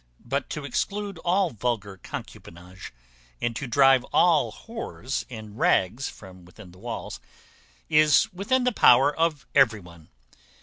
But to exclude all vulgar concubinage, and to drive all whores in rags from within the walls, is within the power of every one.